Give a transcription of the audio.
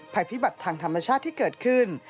ภัยพิบัติทางธรรมชาติที่เกิดขึ้น